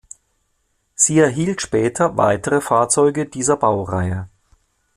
Sie erhielt später weitere Fahrzeuge dieser Baureihe.